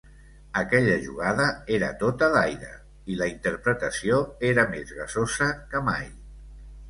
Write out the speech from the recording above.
Aquella jugada era tota d’aire i la interpretació era més gasosa que mai.